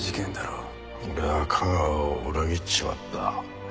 俺は架川を裏切っちまった。